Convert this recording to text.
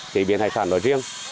chế biến hải sản nói riêng